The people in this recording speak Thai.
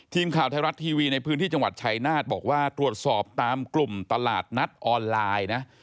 ทีมข่าวไทยรัฐทีวีในพื้นที่จังหวัดชายนาฏบอกว่าตรวจสอบตามกลุ่มตลาดนัดออนไลน์นะ